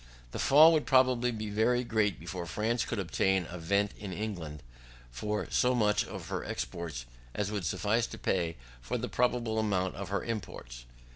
The fall would probably be very great before France could obtain a vent in England for so much of her exports as would suffice to pay for the probable amount of her imports.